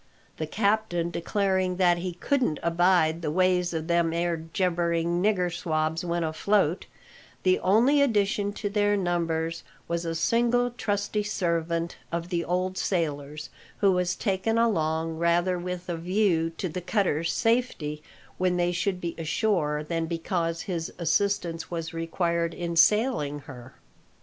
The captain declaring that he "couldn't abide the ways o' them 'ere jabbering nigger swabs when afloat," the only addition to their numbers was a single trusty servant of the old sailor's, who was taken along rather with a view to the cutter's safety when they should be ashore than because his assistance was required in sailing her.